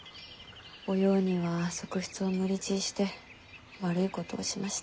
お葉には側室を無理強いして悪いことをしました。